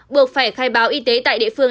buộc phải khai báo y tế tại địa phương